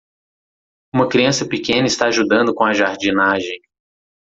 Uma criança pequena está ajudando com a jardinagem.